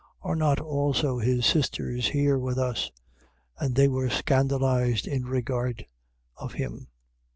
are not also his sisters here with us? And they were scandalized in regard of him.